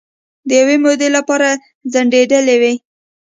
د یوې مودې لپاره ځنډیدېلې وې